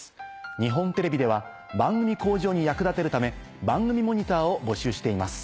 日本テレビでは番組向上に役立てるため番組モニターを募集しています。